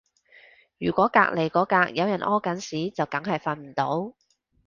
如果隔離嗰格有人屙緊屎就梗係瞓唔到